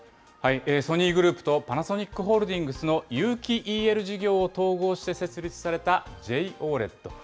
ソニーグループとパナソニックホールディングスの有機ＥＬ事業を統合して設立されたＪＯＬＥＤ。